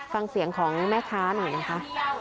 ฟังเสียงของแม่ค้าหน่อยนะคะ